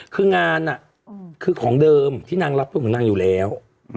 คืองานคือของเดิมที่นางรับเป็นของนางอยู่แล้ว